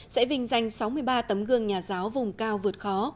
sẽ vinh danh sáu mươi ba tấm gương nhà giáo vùng cao vượt khó